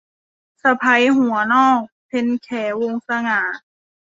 สะใภ้หัวนอก - เพ็ญแข วงศ์สง่า